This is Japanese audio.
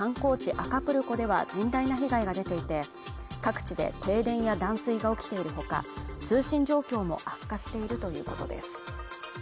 アカプルコでは甚大な被害が出ていて各地で停電や断水が起きているほか通信状況も悪化しているということです